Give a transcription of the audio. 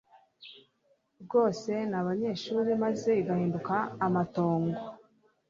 rwose n'abanyashuri maze igahinduka amatongo